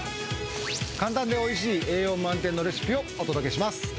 簡単でおいしい栄養満点のレシピをお届けします。